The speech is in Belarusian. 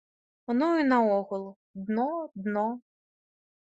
Ну і наогул, дно, дно.